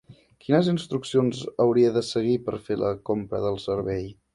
Quines instruccions hauria de seguir per fer la compra del servei?